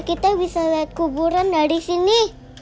kita bisa lihat kuburan dari sini